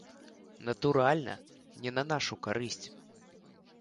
Натуральна, не на нашу карысць.